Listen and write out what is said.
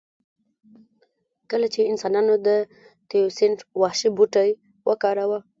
کله چې انسانانو د تیوسینټ وحشي بوټی وکاراوه